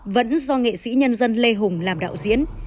vẫn do nghệ sĩ nhân dân lê hùng làm đạo diễn